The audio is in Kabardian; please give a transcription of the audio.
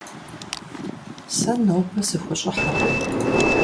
Сэ нобэ сыхущӏыхьэркъым.